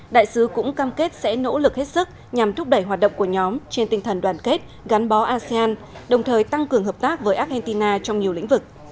đại sứ cũng cam kết sẽ nỗ lực hết sức nhằm thúc đẩy hoạt động của nhóm trên tinh thần đoàn kết gắn bó asean đồng thời tăng cường hợp tác với argentina trong nhiều lĩnh vực